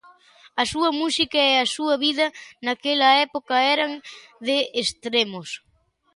A súa música e a súa vida naquela época eran de extremos.